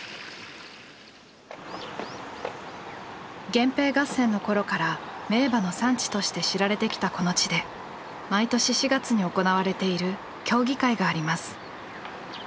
源平合戦の頃から名馬の産地として知られてきたこの地で毎年４月に行われている競技会があります。